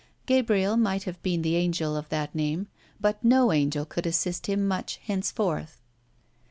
Gabriel might have been the angel of that name, but no angel could assist him much henceforth.